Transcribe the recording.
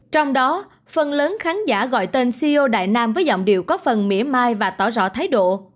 trong đó phần lớn khán giả gọi tên ceo đại nam với giọng điệu có phần mễ mai và tỏ rõ thái độ